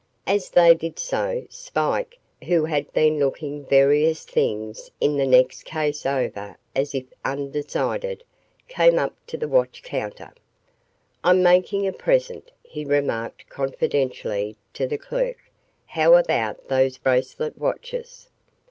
As they did so, Spike, who had been looking various things in the next case over as if undecided, came up to the watch counter. "I'm making a present," he remarked confidentially to the clerk. "How about those bracelet watches?"